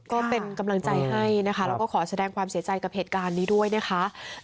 ก็เป็นกำลังใจให้นะคะแล้วก็ขอแสดงความเสียใจกับเหตุการณ์นี้ด้วยนะคะ